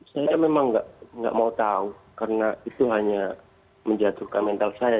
saya memang nggak mau tahu karena itu hanya menjatuhkan mental saya